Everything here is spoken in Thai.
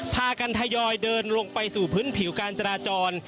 พากันทยอยเดินลงไปสู่พื้นผิวการจราจร